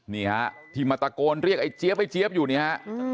นี่ฮะที่มาตะโกนเรียกไอ้เจี๊ยเจี๊ยบอยู่นี่ฮะ